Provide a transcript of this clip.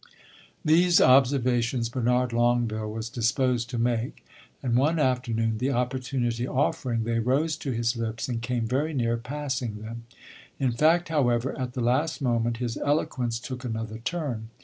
These observations Bernard Longueville was disposed to make, and one afternoon, the opportunity offering, they rose to his lips and came very near passing them. In fact, however, at the last moment, his eloquence took another turn.